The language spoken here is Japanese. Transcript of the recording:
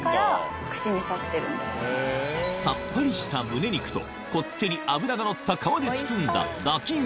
さっぱりした胸肉とこってり脂がのった皮で包んだだき身